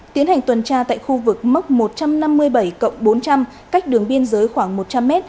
tiến hành tuần tra tại khu vực mốc một trăm năm mươi bảy bốn trăm linh cách đường biên giới khoảng một trăm linh m